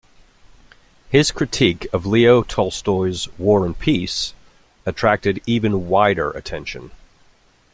His critique of Leo Tolstoy's "War and Peace" attracted even wider attention.